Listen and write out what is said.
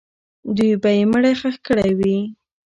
دوی به یې مړی ښخ کړی وي.